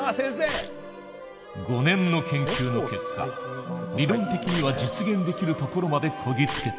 ５年の研究の結果理論的には実現できるところまでこぎ着けた。